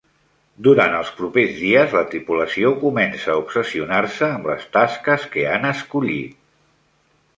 Durant els propers dies la tripulació comença a obsessionar-se amb les tasques que han escollit.